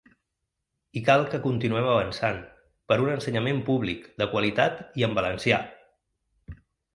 I cal que continuem avançant, per un ensenyament públic, de qualitat i en valencià!